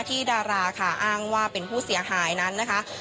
ดาราค่ะอ้างว่าเป็นผู้เสียหายนั้นนะคะ